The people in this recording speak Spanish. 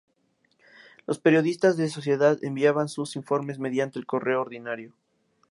Los periodistas de sociedad enviaban sus informes mediante el correo ordinario.